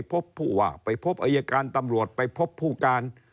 พบผู้ว่าไปพบอายการตำรวจไปพบผู้การ